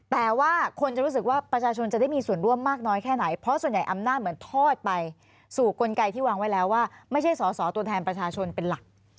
แต่ว่าคนจะรู้สึกว่าประชาชนจะได้มีส่วนร่วมมากน้อยแค่ไหนเพราะส่วนใหญ่อำนาจเหมือนทอดไปสู่กลไกที่วางไว้แล้วว่าไม่ใช่สอสอตัวแทนประชาชนเป็นหลัก